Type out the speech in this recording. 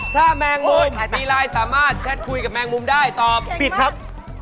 ถ้าแมงมุมมีไลน์สามารถแชทคุยกับแมงมุมได้ตอบผิดครับ